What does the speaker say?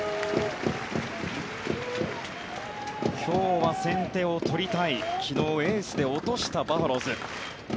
今日は先手を取りたい昨日、エースで落としたバファローズ。